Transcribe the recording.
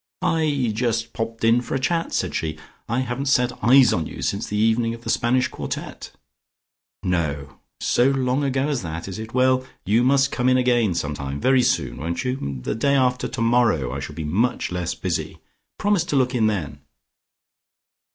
"I just popped in for a chat," said she. "I haven't set eyes on you since the evening of the Spanish quartette." "No! So long ago as that is it? Well, you must come in again sometime very soon, won't you? The day after tomorrow I shall be much less busy. Promise to look in then."